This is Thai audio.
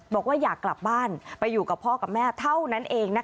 บอกว่าอยากกลับบ้านไปอยู่กับพ่อกับแม่เท่านั้นเอง